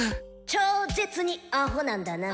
超ッ絶にアホなんだな。